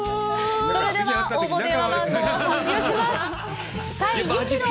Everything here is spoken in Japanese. それでは応募電話番号を発表します。